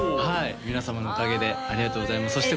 はい皆様のおかげでありがとうございます